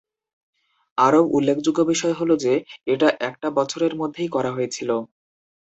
আরও উল্লেখযোগ্য বিষয় হল যে, এটা একটা বছরের মধ্যেই করা হয়েছিল।